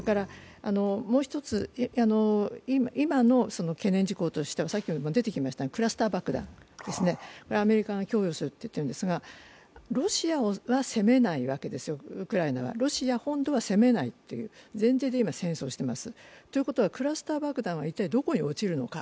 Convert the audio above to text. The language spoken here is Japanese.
もう一つ、今の懸念事項としてはクラスター爆弾、アメリカが供与するって言ってるんですがロシアは攻めないわけですよ、ウクライナはロシア本土は攻めない前提で今、供与しています。ということは、クラスター爆弾は一体どこに落ちるのか？